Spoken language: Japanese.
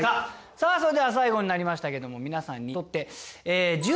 さあそれでは最後になりましたけども皆さんにとって１０代とは何か。